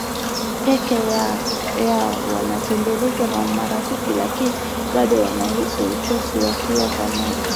peke yao Wanatembelewa na marafiki lakini bado wanahisi uchoshi wakiwa pamoja